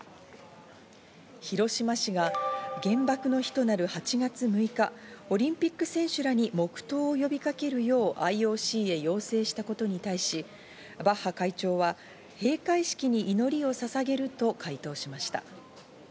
広島市が原爆の日となる８月６日、オリンピック選手らに黙とうを呼びかけるようＩＯＣへ要請したことに対し、バッハ会長は、閉会式に祈りをささげると回答しました。